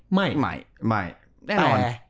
ไม่แต่